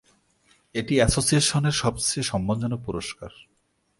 এটি অ্যাসোসিয়েশনের সবচেয়ে সম্মানজনক পুরস্কার।